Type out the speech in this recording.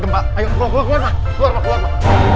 gempa ma ayo keluar keluar keluar ma